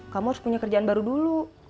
kamu harus punya kerjaan baru dulu